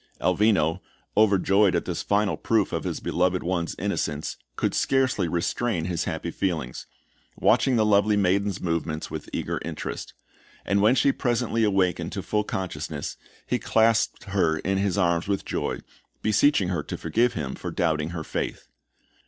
Elvino, overjoyed at this final proof of his beloved one's innocence, could scarcely restrain his happy feelings, watching the lovely maiden's movements with eager interest; and when she presently awakened to full consciousness, he clasped her in his arms with joy, beseeching her to forgive him for doubting her faith.